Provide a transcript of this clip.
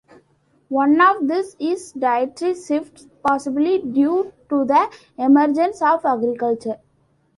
One of these is dietary shifts, possibly due to the emergence of agriculture.